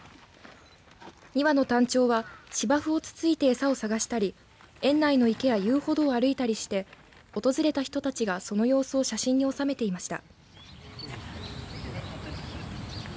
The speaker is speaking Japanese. ２羽のタンチョウは芝生をつついてエサを探したり園内の池や遊歩道を歩いたりして訪れた人たちが、その様子を写真に収めていました。